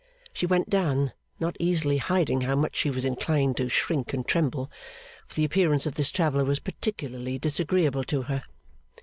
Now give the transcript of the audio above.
She went down, not easily hiding how much she was inclined to shrink and tremble; for the appearance of this traveller was particularly disagreeable to her.